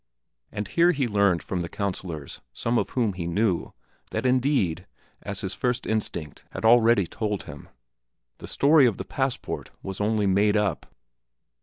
And here he learned from the councilors, some of whom he knew, that indeed, as his first instinct had already told him, the story of the passport was only made up.